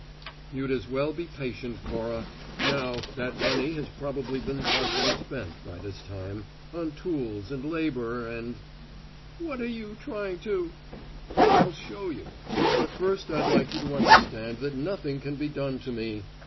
"You'd as well be patient, Cora. Now, that money has probably been partially spent, by this time, on tools and labour and " "What are you trying to " "I'll show you. But first I'd like you to understand that nothing can be done to me.